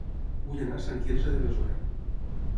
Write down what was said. Vull anar a Sant Quirze de Besora